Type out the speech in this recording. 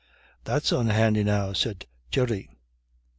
"That's unhandy, now," said Jerry.